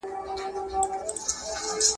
مسکا په انګلیسي هم خبری کولې شی